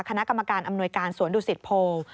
คณะกรรมการอำนวยการสวนดุสิตโพ